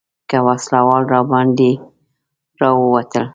که وسله وال راباندې راووتل.